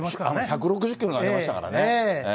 １６０キロ投げてましたからね。